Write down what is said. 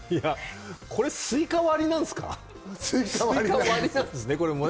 これスイカ割りなんですか？